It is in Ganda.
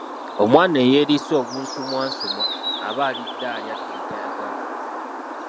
Omwana eyeriisa obunsumwansumwa aba alidde alya ngatayagala.